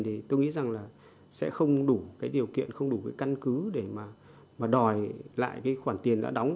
thì tôi nghĩ rằng là sẽ không đủ cái điều kiện không đủ cái căn cứ để mà đòi lại cái khoản tiền đã đóng